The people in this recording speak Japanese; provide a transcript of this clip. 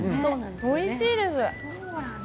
おいしいです。